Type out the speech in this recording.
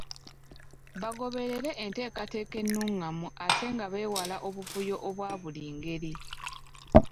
Bagoberere enteekateeka ennungamu ate nga beewala obuvuyo obwa buli ngeri.